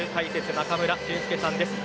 中村俊輔さんです。